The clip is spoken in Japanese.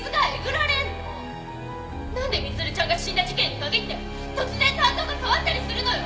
なんで満ちゃんが死んだ事件に限って突然担当が代わったりするのよ！